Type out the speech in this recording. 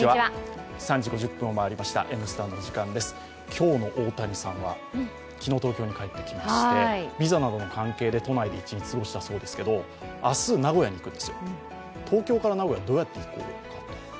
今日の大谷さんは昨日、東京に帰ってきましてビザなどの関係で都内で一日過ごしたそうですけど明日名古屋に行くんですよ、東京から名古屋、どうやって行こうかと。